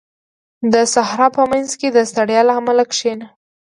• د صحرا په منځ کې د ستړیا له امله کښېنه.